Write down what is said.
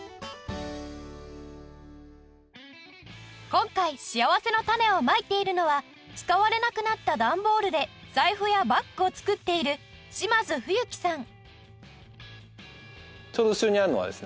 今回しあわせのたねをまいているのは使われなくなった段ボールで財布やバッグを作っている島津冬樹さん